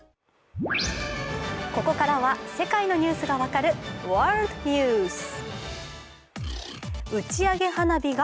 ここからは世界のニュースが分かるワールドニュース。